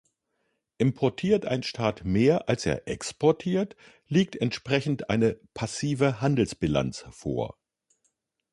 Importiert ein Staat mehr als er exportiert, liegt entsprechend eine „passive Handelsbilanz“ vor.